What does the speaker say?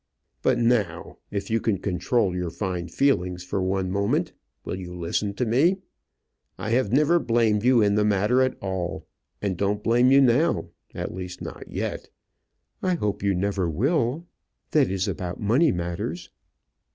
But now, if you can control your fine feelings for one moment, will you listen to me? I have never blamed you in the matter at all, and don't blame you now at least not yet." "I hope you never will that is about money matters."